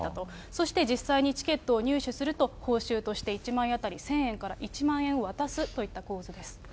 そして実際にチケットを入手すると、報酬として１万円当たり１０００円から１万円を渡すといった構図です。